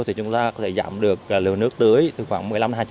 thì chúng ta có thể giảm được lượng nước tưới từ khoảng một mươi năm hai mươi